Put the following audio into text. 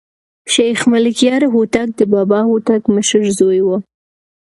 شېخ ملکیار هوتک د بابا هوتک مشر زوى وو.